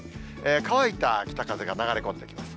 乾いた北風が流れ込んできます。